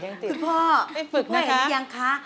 คุณพ่อพุ่ยเห็นไม่ใช่ไหมคะ